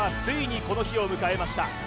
ついにこの日を迎えました